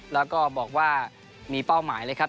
แล้วก็บอกว่ามีเป้าหมายเลยครับ